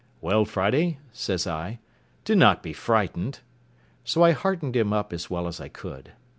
"Well, Friday," says I, "do not be frightened." So I heartened him up as well as I could.